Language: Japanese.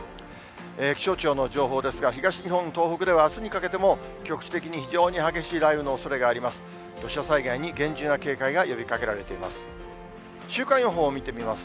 気象庁の情報ですが、東日本、東北では、あすにかけても局地的に非常に激しい雷雨のおそれがあります。